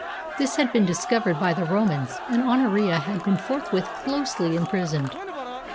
This had been discovered by the Romans, and Honoria had been forthwith closely im prisoned.